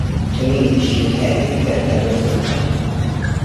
To me, she was everything that feminism's about.